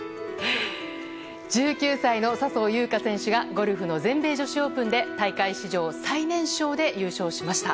１９歳の笹生優花選手がゴルフの全米女子オープンで大会史上最年少で優勝しました。